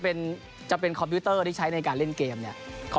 พูดถึงเรื่องของเกมนะครับ